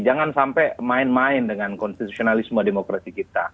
jangan sampai main main dengan konstitusionalisme demokrasi kita